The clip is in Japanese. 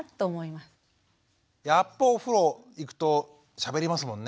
やっぱお風呂行くとしゃべりますもんね。